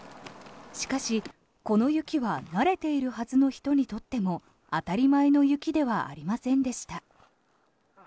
しかし、この雪は慣れているはずの人にとっても当たり前の雪ではありませんでした。